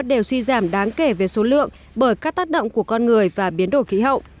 đều suy giảm đáng kể về số lượng bởi các tác động của con người và biến đổi khí hậu